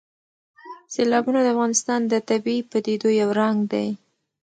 سیلابونه د افغانستان د طبیعي پدیدو یو رنګ دی.